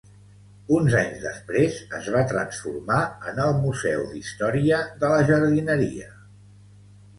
Uns anys després es va transformar en el Museu d'Història de la Jardineria.